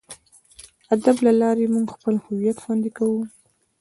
د ادب له لارې موږ خپل هویت خوندي کوو.